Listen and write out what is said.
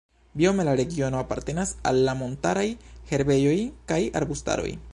Biome la regiono apartenas al la montaraj herbejoj kaj arbustaroj.